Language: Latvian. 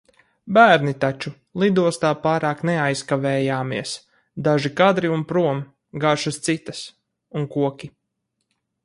Bērni taču! Lidostā pārāk neaizkavējāmies. Daži kadri, un prom! Garšas citas. Un koki.